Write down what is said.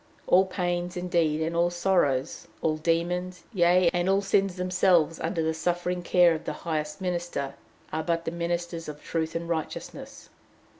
All pains, indeed, and all sorrows, all demons, yea, and all sins themselves under the suffering care of the highest minister, are but the ministers of truth and righteousness.